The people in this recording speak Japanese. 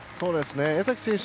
江崎選手